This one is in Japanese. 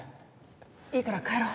いいから帰ろ。